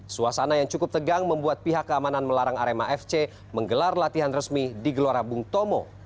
suasana yang cukup tegang membuat pihak keamanan melarang arema fc menggelar latihan resmi di gelora bung tomo